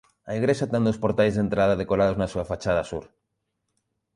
A igrexa ten dous portais de entrada decorados na súa fachada sur.